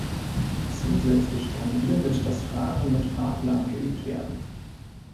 Zusätzlich kann hiermit das Fahren mit Fahrplan geübt werden.